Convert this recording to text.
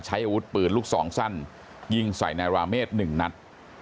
ใช้อาวุธปืนลูกสองสั้นยิงใส่นายราเมฆ๑นัด